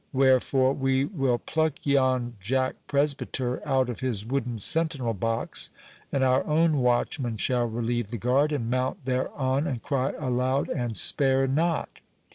Wherefore, we will pluck yon Jack Presbyter out of his wooden sentinel box, and our own watchman shall relieve the guard, and mount thereon, and cry aloud and spare not."